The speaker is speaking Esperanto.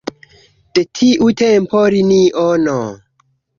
De tiu tempo linio No.